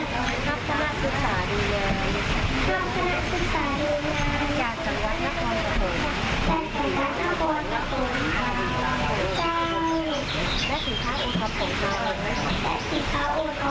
น้องอิ่มจังหรือว่าน้องดอกแก้ม